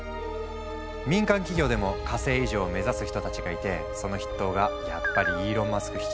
民間企業でも火星移住を目指す人たちがいてその筆頭がやっぱりイーロン・マスク率いるスペースＸ。